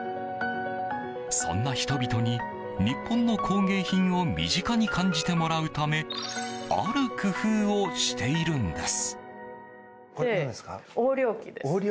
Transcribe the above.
そんな人々に、日本の工芸品を身近に感じてもらうためある工夫をしているんです。